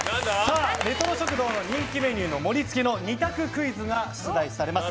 レトロ食堂の人気メニューの盛り付けの２択クイズが出題されます。